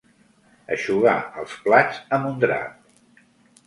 Eixugar els plats amb un drap.